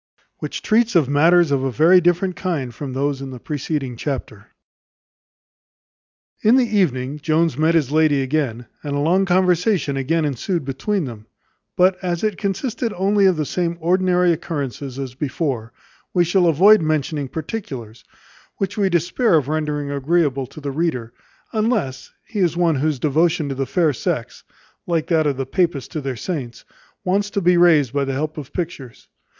Which treats of matters of a very different kind from those in the preceding chapter. In the evening Jones met his lady again, and a long conversation again ensued between them: but as it consisted only of the same ordinary occurrences as before, we shall avoid mentioning particulars, which we despair of rendering agreeable to the reader; unless he is one whose devotion to the fair sex, like that of the papists to their saints, wants to be raised by the help of pictures.